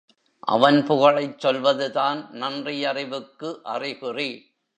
அவன் புகழைச் சொல்வதுதான் நன்றியறிவுக்கு அறிகுறி.